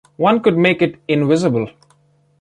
One could make it invisible!